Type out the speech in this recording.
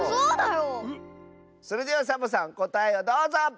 それではサボさんこたえをどうぞ！